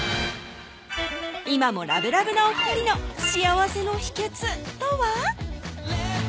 今もラブラブなお２人の幸せの秘訣とは？